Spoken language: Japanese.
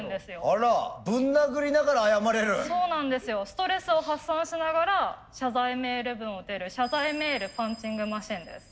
ストレスを発散しながら謝罪メール文を打てる謝罪メールパンチングマシーンです。